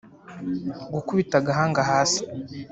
gukubita agahanga hasi